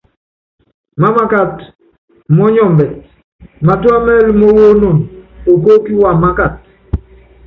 Mámákat umɔnyɔmbɛt, matúá mɛɛl mówónon okóóki wamákat.